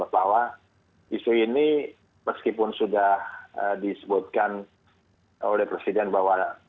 bahwa isu ini meskipun sudah disebutkan oleh presiden bahwa